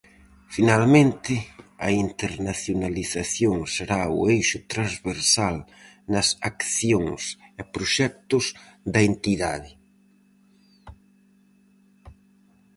Finalmente, a internacionalización será o eixo transversal nas accións e proxectos da entidade.